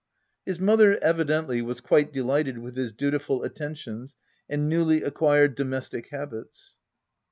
His mother, evidently, was quite delighted with his dutiful attentions and newly acquired do mestic habits.